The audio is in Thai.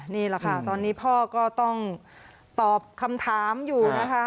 นี่แหละค่ะตอนนี้พ่อก็ต้องตอบคำถามอยู่นะคะ